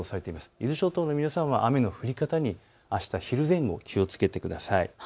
伊豆諸島の皆さんは雨の降り方にあした昼前後、気をつけてください。